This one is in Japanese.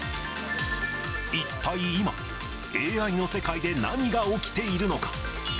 一体今、ＡＩの世界で何が起きているのか。